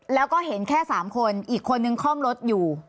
แล้วก็เห็นแค่๓คนอีกคนนึงคล่อมรถอยู่